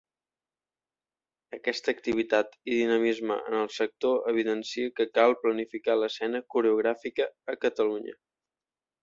Aquesta activitat i dinamisme en el sector evidencia que cal planificar l’escena coreogràfica a Catalunya.